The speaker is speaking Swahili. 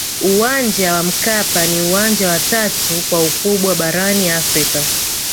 uwanja wa mkapa ni uwanja wa tatu kwa ukubwa barani afrika